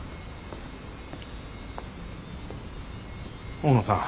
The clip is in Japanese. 大野さん